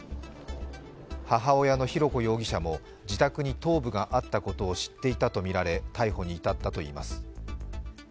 母親の浩子容疑者も自宅に頭部があったことを知っていたとみられ逮捕に至ったといいます。